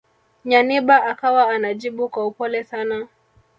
Nyanibah akawa anajibu kwa upole sana